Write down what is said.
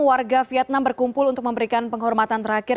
warga vietnam berkumpul untuk memberikan penghormatan terakhir